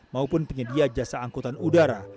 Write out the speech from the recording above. maupun penyedia jasa angkutan udara